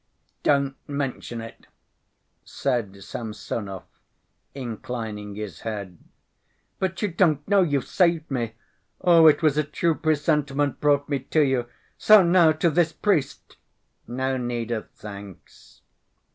"Don't mention it," said Samsonov, inclining his head. "But you don't know, you've saved me. Oh, it was a true presentiment brought me to you.... So now to this priest!" "No need of thanks."